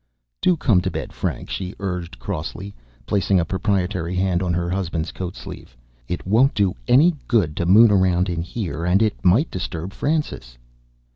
"Do come to bed, Frank," she urged crossly, placing a proprietary hand on her husband's coat sleeve. "It won't do you any good to moon around in here and it might disturb Francis."